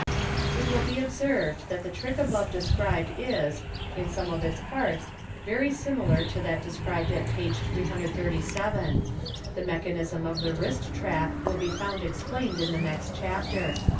It will be observed that the trick above described is, in some of its parts, very similar to that described at page 337. The mechanism of the wrist trap will be found explained in the next chapter.